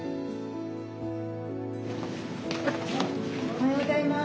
おはようございます。